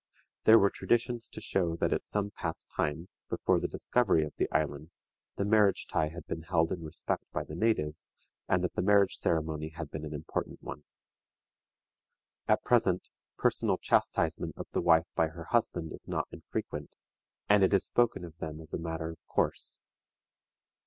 There were traditions to show that at some past time, before the discovery of the island, the marriage tie had been held in respect by the natives, and that the marriage ceremony had been an important one. At present, personal chastisement of the wife by her husband is not infrequent, and it is spoken of by them as a matter of course.